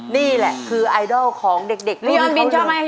นี่แหละคือไอดอลของเด็กลูกนี้เขาเลย